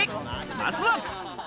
まずは。